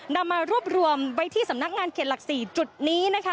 นำมารวบรวมไว้ที่สำนักงานเขตหลัก๔จุดนี้นะคะ